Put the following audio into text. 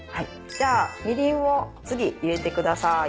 じゃあみりんを次入れてください。